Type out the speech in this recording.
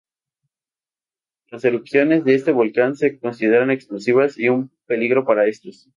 Las erupciones de este volcán se consideran explosivas y un peligro para estos.